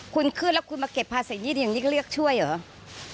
คุณขึ้นแล้วคุณมาเก็บภาษียืดอย่างนี้ก็เรียกช่วยเหรอ